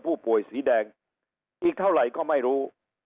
ผู้ป่วยสีแดงอีกเท่าไรก็ไม่รู้